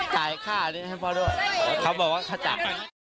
จ่ายค่านี้ให้พ่อด้วยเขาบอกว่าเขาจับ